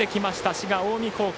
滋賀・近江高校。